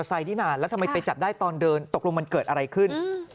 ไซดนี่นานแล้วทำไมไปจับได้ตอนเดินตกลงมันเกิดอะไรขึ้น